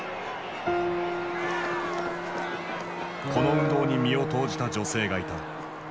この運動に身を投じた女性がいた。